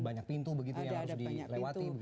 banyak pintu begitu yang harus dilewati